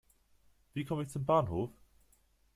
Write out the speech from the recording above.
Wie komme ich zum Bahnhof?